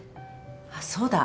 あっそうだ。